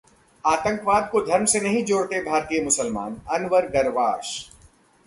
आतंकवाद को धर्म से नहीं जोड़ते भारतीय मुसलमान - अनवर गरवाश